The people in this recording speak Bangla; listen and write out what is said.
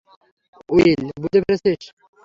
উইল, বুঝতে পেরেছিস?